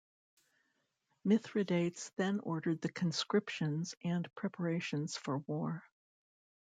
Mithridates then ordered the conscriptions and preparations for war.